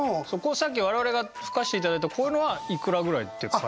さっき我々が吹かせて頂いたこういうのはいくらぐらいで買える？